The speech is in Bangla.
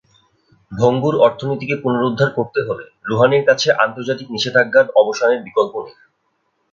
ভঙ্গুর অর্থনীতিকে পুনরুদ্ধার করতে হলে রুহানির কাছে আন্তর্জাতিক নিষেধাজ্ঞার অবসানের বিকল্প নেই।